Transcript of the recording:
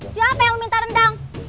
siapa yang minta rendang